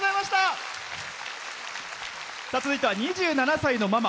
続いては、２７歳のママ。